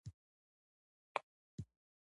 دا قوانین د کاري رویې لپاره جوړ شوي دي.